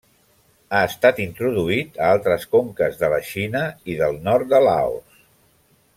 Ha estat introduït a altres conques de la Xina i del nord de Laos.